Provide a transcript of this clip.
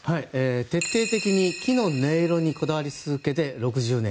徹底的に木の音色にこだわり続けて６０年。